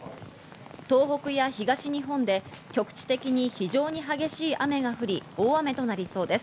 東北や東日本で局地的に非常に激しい雨が降り、大雨となりそうです。